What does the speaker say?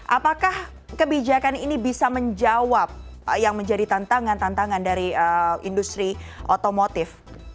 apakah kebijakan ini bisa menjawab yang menjadi tantangan tantangan dari industri otomotif